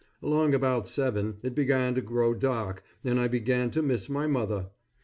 Along about seven it began to grow dark and I began to miss my mother.